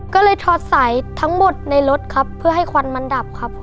ก็เลยถอดสายทั้งหมดในรถครับเพื่อให้ควันมันดับครับ